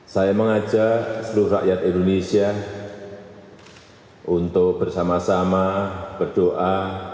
saya mengajak seluruh rakyat indonesia untuk bersama sama berdoa